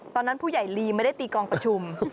ตอนนั้นผู้ใหญ่ลีไม่ได้ตีกองประชุม